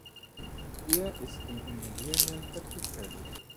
Er ist im Immobilien-Vertrieb tätig.